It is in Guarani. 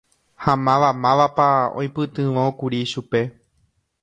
Ha mavamávapa oipytyvõkuri chupe.